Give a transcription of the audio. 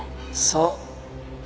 そう。